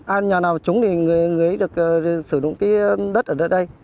an nhà nào chúng thì người ấy được sử dụng cái đất ở đây